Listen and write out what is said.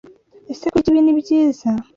Ese kurya ibi ni byiza?